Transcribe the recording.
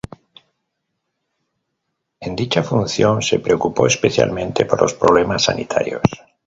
En dicha función se preocupó especialmente por los problemas sanitarios.